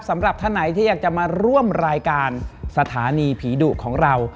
สำหรับท่านไหนที่อยากจะมาร่วมรายการสถานีผีดุของเรา